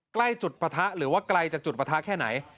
ใกล้จุดปะทะหรือว่าไกลจากจุดประทะแค่ไหน